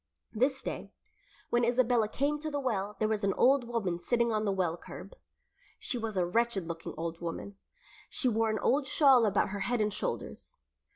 This day, when Isabella came to the well there was an old woman sitting on the well curb. She was a wretched looking old woman. She wore an old shawl about her head and shoulders.